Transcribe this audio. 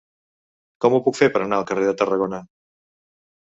Com ho puc fer per anar al carrer de Tarragona?